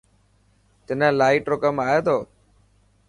تنا لائٽ رو ڪم آڻي تو.